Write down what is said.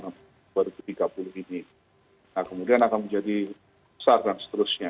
nah kemudian akan menjadi besar dan seterusnya